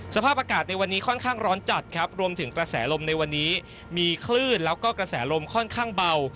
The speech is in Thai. สภาพอากาศในวันนี้ค่อนข้างร้อนจัดครับรวมถึงกระแสลมในวันนี้มีคลื่นแล้วก็กระแสลมค่อนข้างเบา